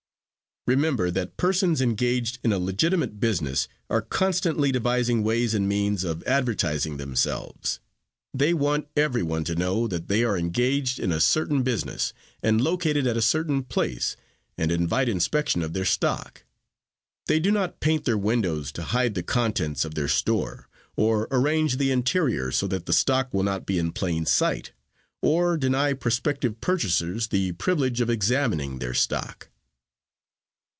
"Remember that persons engaged in a legitimate business are constantly devising ways and means of advertising themselves. They want everyone to know that they are engaged in a certain business, and located at a certain place, and invite inspection of their stock. They do not paint their windows to hide the contents of their store, or arrange the interior so that the stock will not be in plain sight, or deny prospective purchasers the privilege of examining their stock."